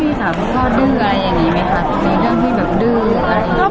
พี่ค่ะพี่ก็ดึกอะไรอย่างนี้มั้ยครับมีเรื่องที่แบบดึกอะไร